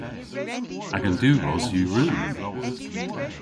Agan diwros yw rudh.